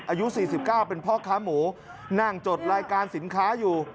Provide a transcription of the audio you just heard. อายุ๔๙เป็นพ่อค้าหมูนั่งจดรายการสินค้าอยู่